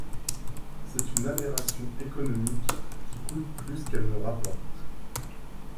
C’est une aberration économique, qui coûte plus qu’elle ne rapporte.